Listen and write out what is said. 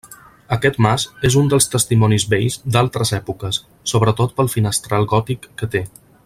Aquest mas és un dels testimonis vells d'altres èpoques, sobretot pel finestral gòtic que té.